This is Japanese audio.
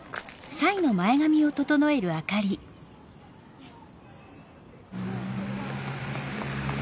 よし！